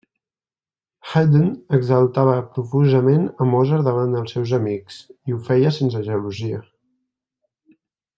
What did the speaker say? Haydn exaltava profusament a Mozart davant els seus amics, i ho feia sense gelosia.